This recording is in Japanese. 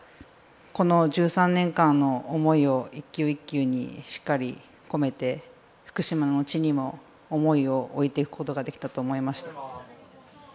この１３年間の思いを１球、１球に込めて福島の地にも思いを置いていくことができたと思います。